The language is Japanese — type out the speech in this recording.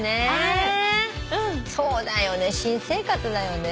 そうだよね「新生活」だよね。